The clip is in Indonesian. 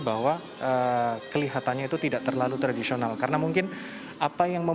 bahwa kelihatannya itu tidak terlalu tradisional karena mungkin apa yang